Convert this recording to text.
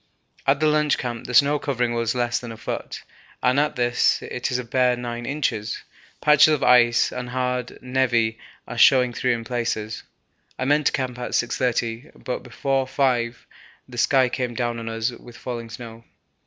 At the lunch camp the snow covering was less than a foot, and at this it is a bare nine inches; patches of ice and hard névé are showing through in places. I meant to camp at 6.30, but before 5.0 the sky came down on us with falling snow.